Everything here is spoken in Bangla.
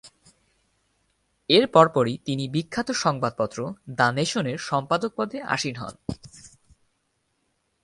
এরপর পরই তিনি বিখ্যাত সংবাদপত্র "দ্য নেশন"-এর সম্পাদক পদে আসীন হন।